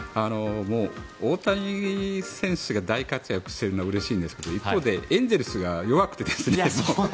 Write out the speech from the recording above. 大谷選手が大活躍しているのはうれしいんですが一方でエンゼルスが弱くて。